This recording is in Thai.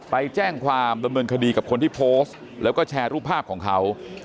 ไปแจ้งความดำเนินคดีกับคนที่โพสต์แล้วก็แชร์รูปภาพของเขา